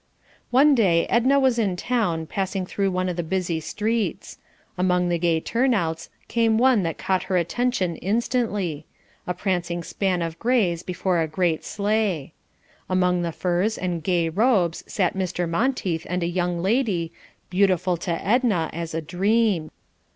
One day Edna was in town, passing through one of the busy streets. Among the gay turnouts came one that caught her attention instantly: a prancing span of grays before a light sleigh. Among the furs and gay robes sat Mr. Monteith and a young lady, beautiful to Edna as a dream.